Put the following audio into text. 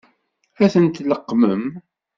Ad tent-tleqqmem?